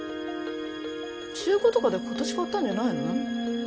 中古とかで今年買ったんじゃないの？